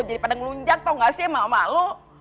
jadi pada ngelunjak tau gak sih emak emak lu